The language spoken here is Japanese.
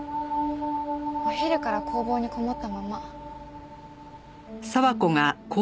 お昼から工房にこもったまま。